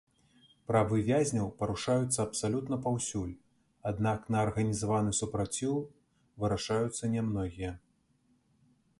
Правы вязняў парушаюцца абсалютна паўсюль, аднак на арганізаваны супраціў вырашаюцца нямногія.